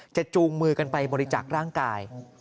จูงมือกันไปบริจักษ์ร่างกาย